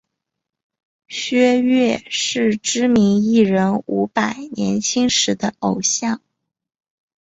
薛岳是知名艺人伍佰年轻时的偶像。